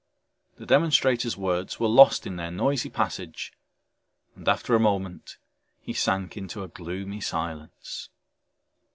The demonstrator's words were lost in their noisy passage, and after a moment he sank into a gloomy silence.